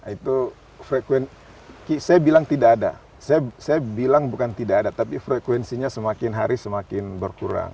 itu frekuensi saya bilang tidak ada saya bilang bukan tidak ada tapi frekuensinya semakin hari semakin berkurang